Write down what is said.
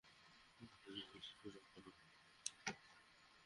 আচ্ছা, জলদি শুরু করো।